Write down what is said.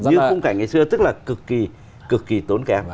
như khung cảnh ngày xưa tức là cực kỳ tốn kém